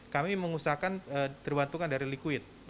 kami mengusahakan terbantukan dari liquid